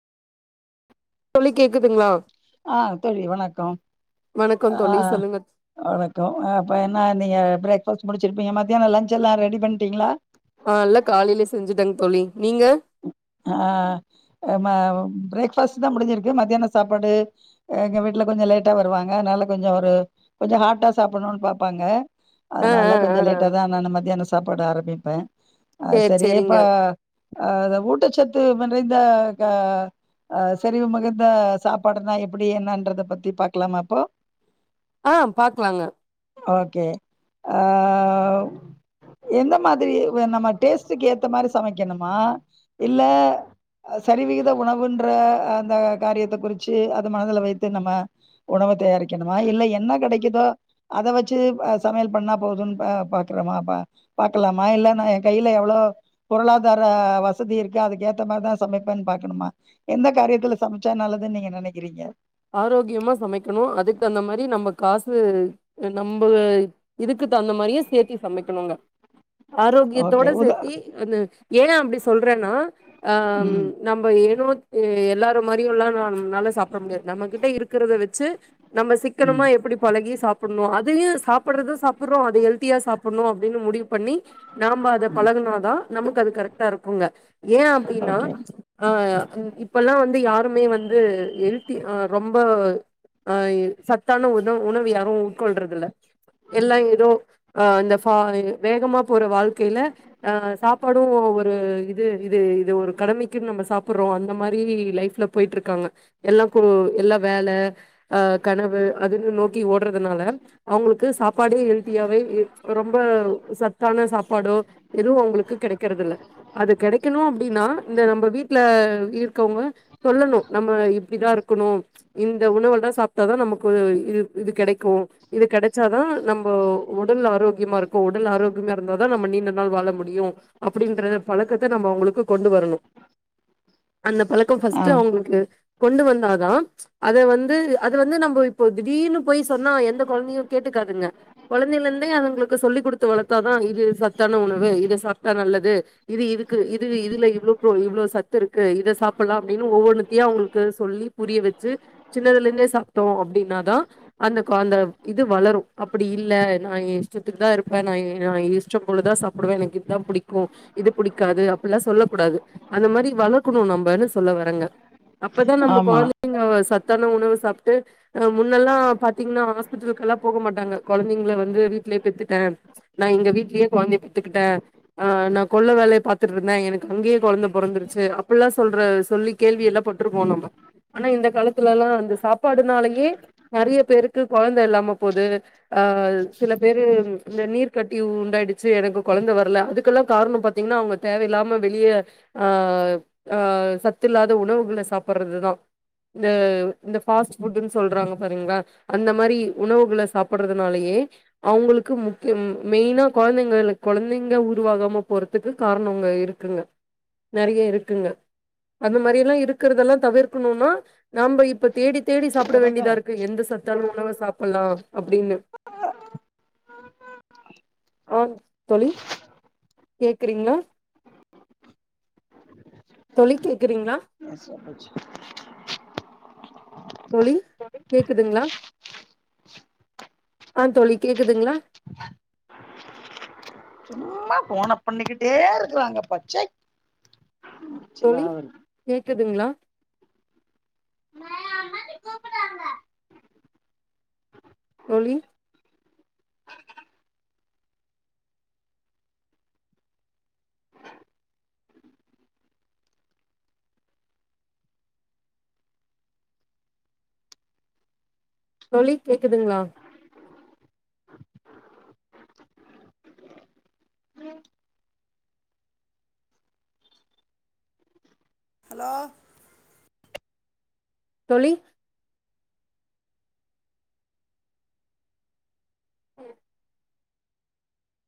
தோழி கேக்குதுங்களா ஆ தோழி வணக்கம் வணக்கம் ஆ தோழி சொல்லுங்க வணக்கம் அப்போ என்ன நீங்க பிரேக்ஃபாஸ்ட் முடிச்சிருப்பீங்க மத்தியானோ லஞ்ச்செல்லா ரெடி பண்ணிட்டிங்களா ஆ நல்ல காலையிலயே செஞ்சுட்டேங் தோழி நீங்க ஆ நம்ம பிரேக்ஃபாஸ்ட் தா முடிஞ்சிருக்கு மத்தியானோ சாப்பாடு எங்க வீட்ல கொஞ்சோ லேட்டா வருவாங்க அதனால கொஞ்சோ ஒரு கொஞ்ச ஹாட்டா சாப்பணூன்னு பாப்பாங்க ஆ அதனால ஆ கொஞ்ச ஆ லேட்டா தா நானு மதியானோ சாப்பாட ஆரம்பிப்ப அ சேரி சரி இப்பா சேரிங்க அ ஊட்டச்சத்து நிறைந்த கா அ செரி உமக்கிட்ட சாப்பாடுனா எப்டி என்னன்றத பத்தி பாக்கலாமா ப்போ ஆ பாக்குலாங்க ஓகே ஆ எந்த மாதிரி வெ நம்ம டேஸ்ட்டுக்கு ஏத்த மாரி சமைக்கணுமா இல்ல ஆ சரிவித உணவுன்ற அந்த காரியத்த குறிச்சு அது மனதல வைத்து நம்ம உணவ தயாரிக்கணுமா இல்ல என்ன கெடைக்குதோ அத வச்சு வ சமையல் பண்ணா போதுன்னு ப பாக்குறோமாபா பாக்கலாமா இல்லன்னா எ கைல எவ்ளோ பொருளாதார வச வசதி இருக்கு அதுக் ஏத்த மார்தா சமைப்பேன் பாக்கணுமா எந்த காரியத்துல சமைச்சா நல்லதுன் நீங்க நெனைக்கிறீங்க ஆரோக்கியமா சமைக்கணோ அதுக்கு தகுந்த மாரி நம்ம காசு நம்புள் இதுக்கு தகுந்த மாரியே சேத்தி சமைக்கணுங்க ஓகே ஆரோக்கியத்தோட உத சேத்தி அந்த ஏ அப்டி சொல்றேன்னா ஆ ம் நம்ம ஏரு ஏ எல்லாரு மாரியு எல்லா நல்லா சாப்ட முடியாது நம்மகிட்ட இருக்கிறத வச்சு நம்ம சிக்கனமா ம் எப்புடி பழகி சாப்புட்ணோ அதையே சாப்புடுறத சாப்புட்றோ அது ஹெல்தியா சாப் பண்ணுவொ அப்டின்னு முடிவு பண்ணி நாம்ப அத ம் பழகுனாதா நமக்கு அது கரெக்டா இருக்குங்க ஏ அப்டின்னா ஓகே ஆ இப்பெல்லா வந்து யாருமே வந்து ஹெல் த்தி அ ரொம்ப அ சத்தான உணவு உணவு யாரு உட்கொள்றதுல்ல எல்லாம் ஏதோ அ இந்த ஃபா வேகமா போற வாழ்க்கையில அ சாப்பாடு ஒரு இது இது இது ஒரு கடமைக்குன்னு நம்ம சாப்புட்றோ அந்த மாரி லைஃப்ல போயிட்ருக்காங்க எல்லா கூ எல்லா வேல அ கனவு அதுன்னு நோக்கி ஓடுறதுனால அவுங்களுக்கு சாப்பாடே ஹெல்த்தியாவே ஏ ரொம்ப சத்தான சாப்பாடோ எதுவு ஒங்களுக்கு கெடைக்கெறது இல்ல அது கெடைக்கணோ அப்டீன்னா இந்த நம்ம வீட்ல இருக்கவுங்க சொல்லணோ நம்ம இப்டி தா இருக்கணு இந்த உணவு தா சாப்ட்டாதா நமக்கு ஒரு இது இது கெடைக்கு இது கெடச்சாதா நம்ம உடல் ஆரோக்கியமா இருக்கு உடல் ஆரோக்கியமா இருந்தாதா நம்ம நீண்ட நாள் வாழ முடியு அப்டின்றத பழக்கத்த நம்ம அவங்களுக்கு கொண்டு வரணு அந்த பழக் க்கு ஆ பர்ஸ்ட்டு அவுங்குளுக்கு கொண்டு வந்தாதா அத வந்து அத வந்து நம்போ இப்போ திடீர்னு போய் சொன்னா எந்த கொழந்தையு கேட்டுக்காதுங்க கொழந்தையில இருந்தே அவங்களுக்கு சொல்லிக் குடுத்து வளத்தாதா இது சத்தான உணவு இது சாப்டா நல்லது இது இதுக்கு இது இதுல இவ்ளோ போ இவ்ளோ சத்து இருக்கு இத சாப்புலா அப்டின்னு ஒவ்வொன்னுத்தையு அவங்களுக் க்கு சொல்லி புரிய வெச்சு சின்னதுல இருந்தே சாப்ட்டோ அப்டீன்னாதா அந்த கொழந்த இது வளரு அப்டி இல்ல நா எ இஷ்டத்துக்கு தா இருப்பே நா எ நா இஷ்ட போல தா சாப் சாப்டுவே எனக்கு இதுதா பிடிக்கோ இது புடிக்காது அப்புட்லா சொல்ல கூடாது அந்த மாரி வளர்க்கணும் நம்ம என்ன சொல்ல வரங்க அப்பதா நம்ம ஆமா கொழந்தைங்க சத்தான உணவு சாப்ட்டு அ முன்னெல்லா பாத்தீங்கன்னா ஹாஸ்பிட்டலுக்கெல்லா போக மாட்டாங்க கொழந்தைங்கள வந்து வீட்லயே பெத்துட்டே நா எங்க வீட்லயே கொழந்தைய பெத்துக்கிட்டே அ நா கொல்ல வேலய பாத்துட்டு இருந்தே எனக்கு அங்கயே கொழந்த பொறந்துருச்சு அப்புட்லா சொல்ற சொல்லி கேள்வி எல்லா பட் ட்ருப்போ நம்ம ஆனா இந்த காலத்துலல்லா அந்த சாப்பாடுனாலயே நறைய பேருக்கு கொழந்த இல்லாம போது அஹ் சில பேரு இந்த நீர் கட்டி உண்டாயிடுச்சு எனக்கு குழந்த வரல அதுக்கெல்லாம் காரணம் பாத்தீங்கன்னா அவங்க தேவையில்லாம வெளிய அ அ சத்து இல்லாத உணவுகள சாப்படுறதுதா இந்த இந்த ஃபாஸ்ட் ஃபுட்ன்னு சொல்றாங்க பாரிங்ளா அந்த மாரி உணவுகள சாப்படுறதுனாலயே அவங்களுக்கு முக்கியம் மெயினா கொழந்தைங்களு கொழந்தைங்க உருவாகாம போறதுக்கு காரணங்க இருக் குங்க நெறைய இருக்குங்க அந்த மாரி எல்லா இருக் க்கிறதல்லா தவிர்கணுனா நாம இப்ப தேடி தேடி சாப்ட ரெபேக்கா வேண்டியதா இருக்கு எந்த சத் த்தா உணவ சாப்டலா அப்டின்னு ஆ தோழி கேக்குறீங்ளா தோழி கேக்குறீங்ளா நா சமைச்சு தோழி கேக்குதுங்ளா ஆ தோழி கேக்குதுங்ளா சும்மா ஃபோன பண்ணிக்கிட்டே இருக்கறாங்கப்பா ச்சை எரிச்சலா தோழி வருது கேக்குதுங்ளா ஆ அம்மாச்சி கூப்பிடுறாங்க தோழி தோழி கேக்குதுங்ளா ஹலோ தோழி ஓ